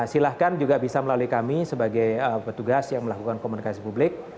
silahkan juga bisa melalui kami sebagai petugas yang melakukan komunikasi publik